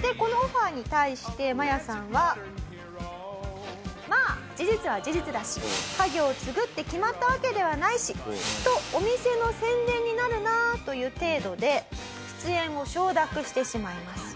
でこのオファーに対してマヤさんはまあ事実は事実だし家業を継ぐって決まったわけではないしとお店の宣伝になるなという程度で出演を承諾してしまいます。